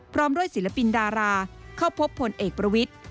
พร้อมด้วยศิลปินดาราเข้าพบพลเอกประวิทธิ์